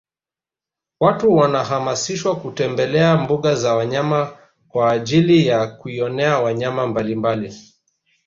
Watu wanahamasishwa kutembelea mbuga za wanyama kwaajili ya kujionea wanyama mbalimbali